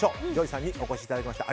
ＪＯＹさんにお越しいただきました。